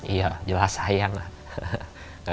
iya jelas sayang lah